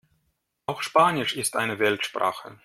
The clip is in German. Auch Spanisch ist eine Weltsprache.